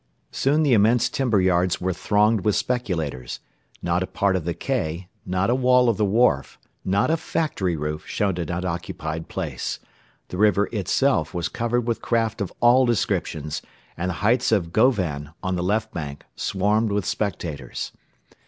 Soon the immense timber yards were thronged with spectators; not a part of the quay, not a wall of the wharf, not a factory roof showed an unoccupied place; the river itself was covered with craft of all descriptions, and the heights of Govan, on the left bank, swarmed with spectators.